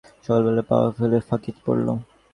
আমার সকালবেলাকার পাওয়া ফুলে ফাঁকি পড়ল।